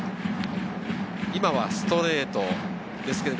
今はストレート。